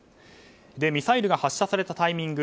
ミサイルが発射されたタイミング